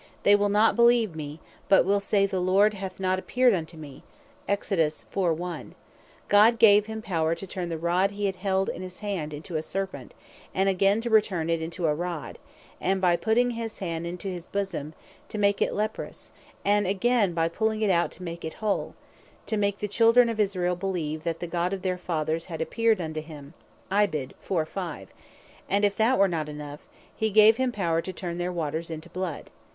&c.) "They will not beleeve me, but will say, the Lord hath not appeared unto me," God gave him power, to turn the Rod he had in his hand into a Serpent, and again to return it into a Rod; and by putting his hand into his bosome, to make it leprous; and again by pulling it out to make it whole, to make the Children of Israel beleeve (as it is verse 5.) that the God of their Fathers had appeared unto him; And if that were not enough, he gave him power to turn their waters into bloud.